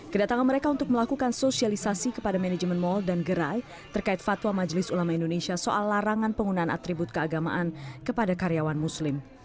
kedatangan mereka untuk melakukan sosialisasi kepada manajemen mal dan gerai terkait fatwa majelis ulama indonesia soal larangan penggunaan atribut keagamaan kepada karyawan muslim